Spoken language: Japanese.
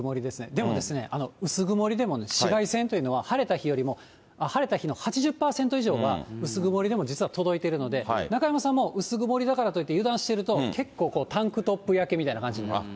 でもですね、薄曇りでもね、紫外線というのは、晴れた日の８０％以上は薄曇りでも実は届いてるので、中山さんも薄曇りだからといって油断してると、結構こう、タンクトップ焼けみたいな感じになって。